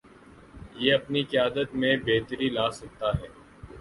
یہ اپنی قیادت میں بہتری لاسکتا ہے۔